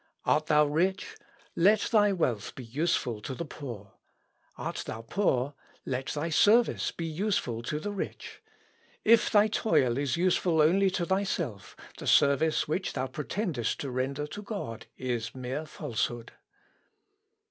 Art thou rich, let thy wealth be useful to the poor. Art thou poor, let thy service be useful to the rich. If thy toil is useful only to thyself, the service which thou pretendest to render to God is mere falsehood."